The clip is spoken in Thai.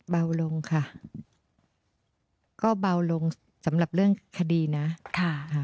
เบาลงค่ะก็เบาลงสำหรับเรื่องคดีนะค่ะ